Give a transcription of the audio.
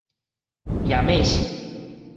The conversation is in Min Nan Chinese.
掖名刺